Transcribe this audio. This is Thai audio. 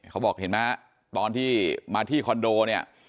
เขาบอกเห็นไหมฮะตอนที่มาที่คอนโดเนี่ย